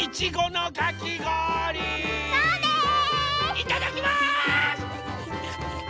いただきます！